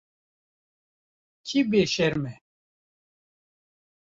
Kî bêşerm e?